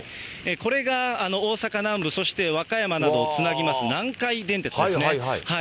これが大阪南部、そして和歌山などをつなぎます南海電鉄ですね。